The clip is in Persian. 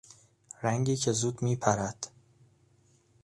رنگی که زود میپرد